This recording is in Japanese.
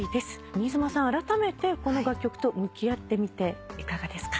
新妻さんあらためてこの楽曲と向き合ってみていかがですか？